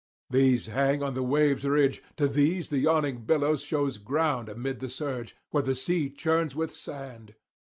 These hang on the wave's ridge; to these the yawning billow shows ground amid the surge, where the sea churns with sand.